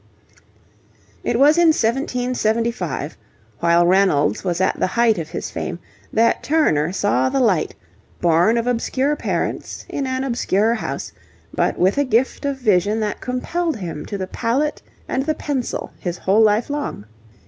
It was in 1775, while Reynolds was at the height of his fame, that Turner saw the light, born of obscure parents in an obscure house, but with a gift of vision that compelled him to the palette and the pencil his whole life long.